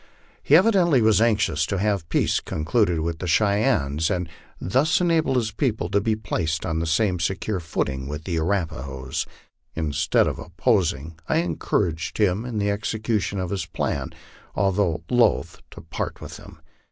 He evidently was anxious to have peace concluded with the Cheyennes, and thus enable his people to be placed on the same secure footing with the Arapahoes. Instead of opposing, I encouraged him in the execution of his plan, although loath to part with him.